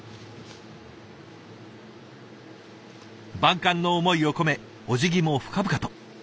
万感の思いを込めおじぎも深々と。